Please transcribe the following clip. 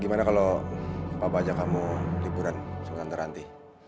gimana kalau papa ajak kamu liburan sama tante ranti